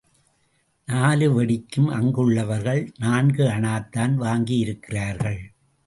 நாலு வெடிக்கும் அங்குள்ளவர்கள் நான்கு அணாத்தான் வாங்கியிருக்கிறார்கள்.